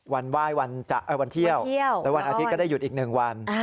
วายวันเที่ยวอาทิตย์ก็ได้หยุดอีก๑วัน